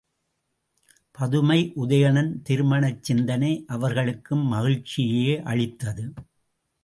பதுமை உதயணன் திருமணச் சிந்தனை அவர்களுக்கும் மகிழ்ச்சியையே அளித்தது.